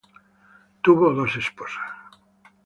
Tuvo dos esposas.